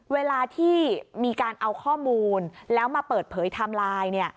เวลาที่มีการเอาข้อมูลแล้วมาเปิดเผยไทม์ไลน์